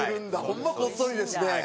ホンマこっそりですね。